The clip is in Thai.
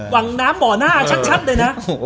วังน้ำบ่อหน้าชัดเลยนะ